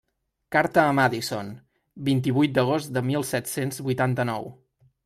Carta a Madison, vint-i-vuit d'agost de mil set-cents vuitanta-nou.